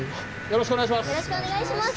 よろしくお願いします。